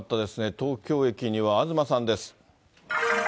東京駅には東さんです。